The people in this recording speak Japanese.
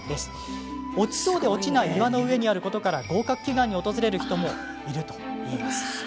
落ちそうで落ちない岩の上にあることから合格祈願に訪れる人もいるといいます。